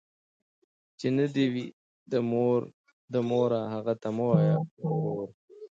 ـ چې نه دې وي، د موره هغه ته مه وايه وروره.